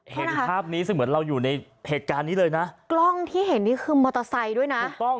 เห็นภาพนี้เสมือนเราอยู่ในเหตุการณ์นี้เลยนะกล้องที่เห็นนี่คือมอเตอร์ไซค์ด้วยนะถูกต้อง